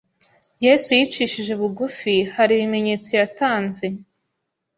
Yesu yicishije bugufi hari ibimenyetso yatanze